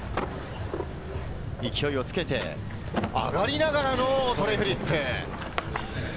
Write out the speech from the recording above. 勢いをつけて、上がりながらのトレフリップ。